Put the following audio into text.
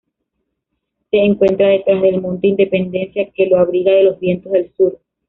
Se encuentra detrás del Monte Independencia, que lo abriga de los vientos del sur.